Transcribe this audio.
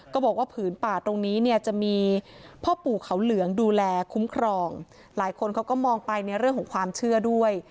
บอกว่าผืนป่าตรงนี้เนี่ยจะมีพ่อปู่เขาเหลืองดูแลคุ้มครองหลายคนเขาก็มองไปในเรื่องของความเชื่อด้วย